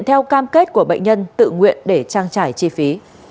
theo cam kết của bệnh nhân tự nguyện để trang trải chi phí